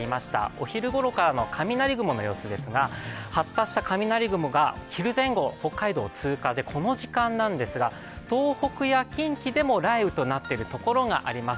お昼ごろからの雷雲の様子ですが、発達した雷雲がお昼前後、北海道を通過で、この時間なんですが東北や近畿でも雷雨となっているところがあります